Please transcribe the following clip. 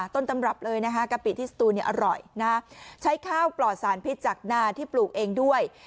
ต้นตำรับเลยนะคะกะปิที่สตูนเนี่ยอร่อยนะใช้ข้าวปลอดสารพิษจากนาที่ปลูกเองด้วย